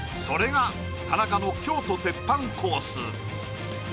それが田中の京都鉄板コース